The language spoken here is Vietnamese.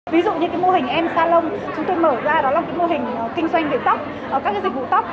ví dụ như cái mô hình em salon chúng tôi mở ra đó là cái mô hình kinh doanh về tóc các cái dịch vụ tóc